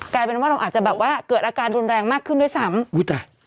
กลายเป็นว่าเราอาจจะแบบว่าเกิดอาการรุนแรงมากขึ้นด้วยซ้ำอุ้ยตาย